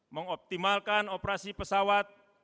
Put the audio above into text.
mengoptimalkan operasi pesawat